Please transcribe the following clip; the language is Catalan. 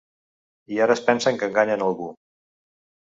I ara es pensen que enganyen algú.